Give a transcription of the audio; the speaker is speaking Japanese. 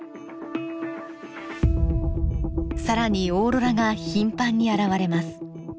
更にオーロラが頻繁に現れます。